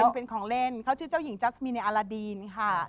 เป็นของเล่นเขาชื่อเจ้าหญิงจัสมีในอาราดีนค่ะ